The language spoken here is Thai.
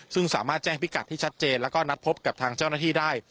ซึ่งสามารถแจ้งพิกัดที่ชัดเจนแล้วก็นัดพบกับทางเจ้าหน้าที่ได้